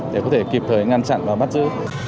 để có thể kịp thời ngăn chặn và bắt giữ